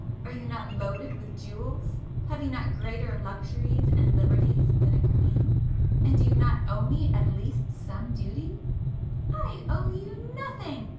Are you not loaded with jewels?—have you not greater luxuries and liberties than a queen? And do you not owe me at least some duty?" "I owe you nothing!"